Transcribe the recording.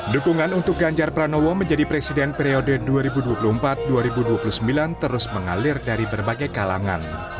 dukungan untuk ganjar pranowo menjadi presiden periode dua ribu dua puluh empat dua ribu dua puluh sembilan terus mengalir dari berbagai kalangan